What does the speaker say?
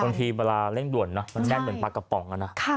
บางทีเวลาเร่งด่วนนะมันแน่นเหมือนปลากระป๋องนะ